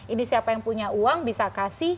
ini siapa yang punya uang bisa kasih